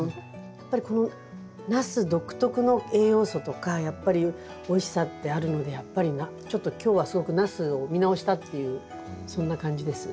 やっぱりこのナス独特の栄養素とかやっぱりおいしさってあるのでちょっと今日はすごくナスを見直したっていうそんな感じです。